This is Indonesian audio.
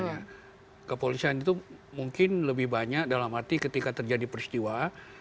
nah kepolisian itu mungkin lebih banyak dalam arti ketika terjadi peristiwa